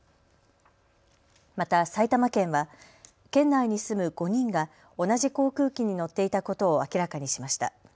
また埼玉県は県内に住む５人が同じ航空機に乗っていたことを明らかにしました。